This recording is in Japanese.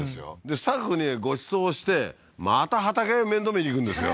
スタッフにごちそうをしてまた畑面倒見にいくんですよ